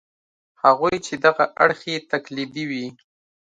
هغوی چې دغه اړخ یې تقلیدي وي.